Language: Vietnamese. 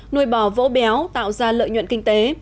nuôi bò vỗ béo tạo ra lợi nhuận kinh tế